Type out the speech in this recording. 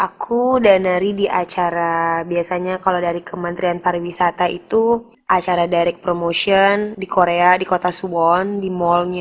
aku dan nari di acara biasanya kalau dari kementerian pariwisata itu acara direct promotion di korea di kota subon di mallnya